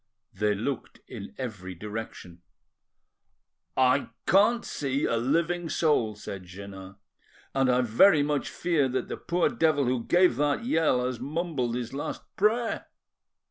They looked in every direction. "I can't see a living soul," said Jeannin, "and I very much fear that the poor devil who gave that yell has mumbled his last prayer."